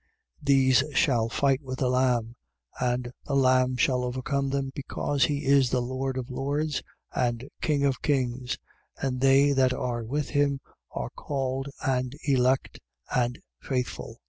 17:14. These shall fight with the Lamb. And the Lamb shall overcome them because he is Lord of lords and King of kings: and they that are with him are called and elect and faithful.